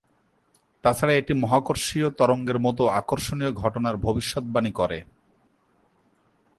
তাছাড়া এটি মহাকর্ষীয় তরঙ্গের মত আকর্ষণীয় ঘটনার ভবিষ্যদ্বাণী করে।